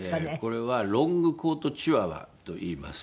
これはロングコートチワワといいます。